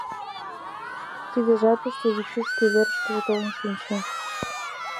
Тиде жапыште Витюш шке верышкыже толын шинче.